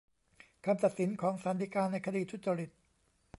คำตัดสินของศาลฎีกาในคดีทุจริต